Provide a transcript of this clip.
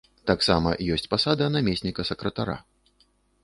Таксама ёсць пасада намесніка сакратара.